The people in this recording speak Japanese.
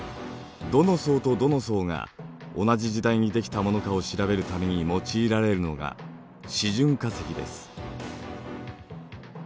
どの層とどの層が同じ時代にできたものかを調べるために用いられるのが示準化石です。